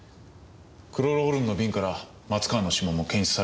クロロホルムの瓶から松川の指紋も検出されていません。